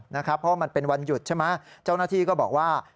เพราะว่ามันเป็นวันหยุดใช่ไหมเจ้าหน้าที่ก็บอกว่า